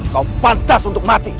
kau pantas untuk mati